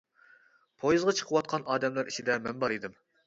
پويىزغا چىقىۋاتقان ئادەملەر ئىچىدە مەن بار ئىدىم.